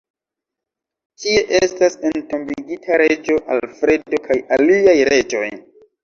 Tie estas entombigita reĝo Alfredo kaj aliaj reĝoj.